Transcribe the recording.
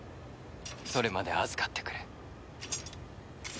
それまで預かってくれ。